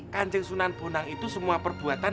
kanjeng sunan bunang itu semua perbuatan